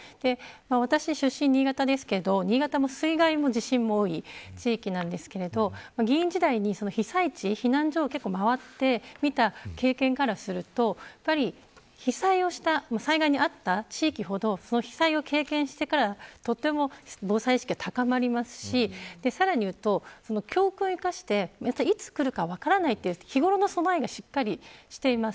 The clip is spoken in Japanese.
私は出身が新潟ですが新潟も水害も地震も多い地域なんですけど議員時代に、被災地、避難所を回ってみた経験からすると被災をした災害に遭った地域ほどその被災を経験してからとても防災意識が高まりますしさらに言うと、教訓を生かしていつくるか分からないという日頃の備えがしっかりしています。